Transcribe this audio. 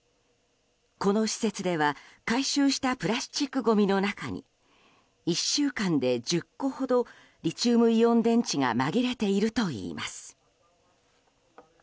この施設では、回収したプラスチックごみの中に１週間で１０個ほどリチウムイオン電池がまぎれているといいます。